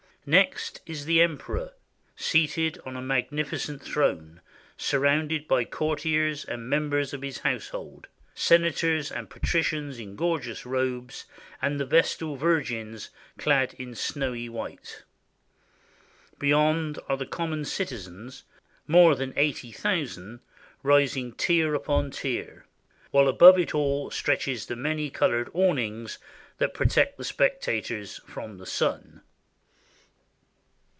Next is the emperor seated on a magnificent throne, surrounded by courtiers and members of his household, senators and patricians in gorgeous robes, and the Vestal Virgins clad in snowy white; beyond are the common citizens, more than eighty thousand, rising tier on tier; while above it all stretches the many colored awn ing that protects the spectators from the sun.